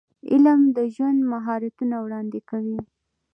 علم د ژوند مهارتونه وړاندې کوي.